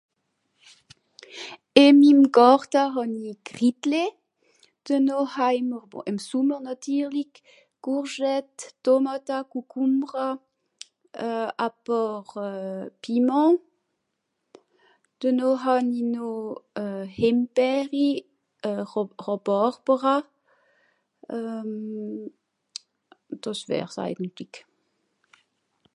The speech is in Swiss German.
Ìn mim Gàrta hàn-i Krtittlé, denoh ha'mr... bon ìm Sùmmer nàtirlig, Courgette, Tomàta, Kùkùmbra.... euh... a pààr euh... Piment, denoh hàn-i noh Hìmbeeri, euh... Rà...Ràbàrbera euh... dàs wär's eigentlig.